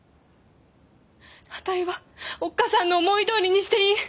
あたいはおっ母さんの思いどおりにしていい。